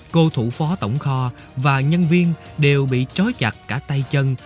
cô thủ phó tổng kho và nhân viên đều bị trói chặt cả tay chân